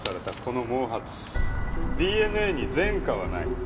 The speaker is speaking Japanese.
ＤＮＡに前科はない。